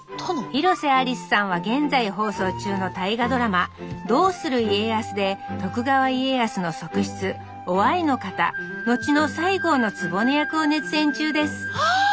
広瀬アリスさんは現在放送中の大河ドラマ「どうする家康」で徳川家康の側室於愛の方後の西郷の局役を熱演中ですああ！